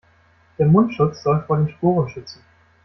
Der Mundschutz soll vor den Sporen schützen.